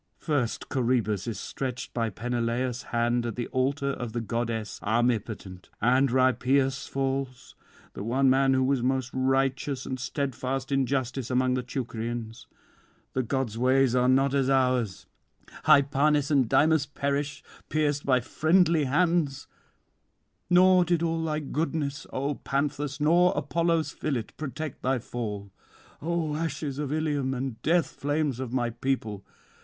First Coroebus is stretched by Peneleus' hand at the altar of the goddess armipotent; and Rhipeus falls, the one man who was most righteous and steadfast in justice among the Teucrians: the gods' ways are not as ours: Hypanis and Dymas perish, pierced by friendly hands; nor did all thy goodness, O Panthus, nor Apollo's fillet protect thy fall. O ashes of Ilium and death flames of my people!